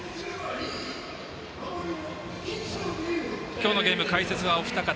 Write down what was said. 今日のゲーム、解説はお二方。